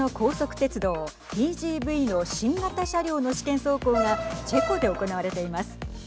鉄道ＴＧＶの新型車両の試験走行がチェコで行われています。